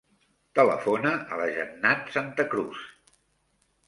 Telefona a la Jannat Santa Cruz.